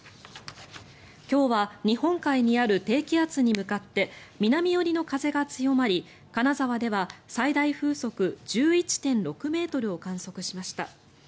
今日は日本海にある低気圧に向かって南寄りの風が強まり金沢では最大風速１１．６ｍを観測しました。